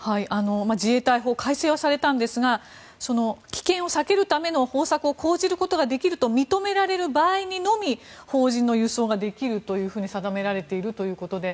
自衛隊法改正はされたんですが危険を避けるための方策を講じることができると認められる場合にのみ邦人の輸送ができると定められているということで。